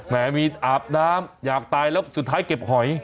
มีอาบน้ำอยากตายแล้วสุดท้ายเก็บหอย